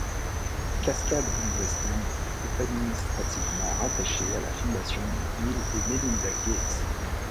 Cascade Investment est administrativement rattaché à la Fondation Bill-et-Melinda-Gates.